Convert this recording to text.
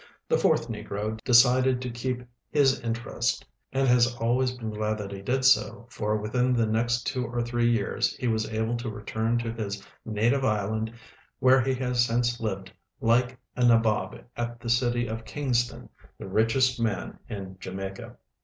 The fourth negro decided to keep his interest, and has ahvays been glad that he did so, for vithin the next two or three years he was able to return to his native island, where he has since lived like a nabob at the city of Kingston, the richest man in Jamaica.